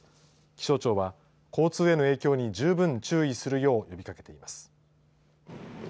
気象庁は交通への影響に十分注意するよう呼びかけています。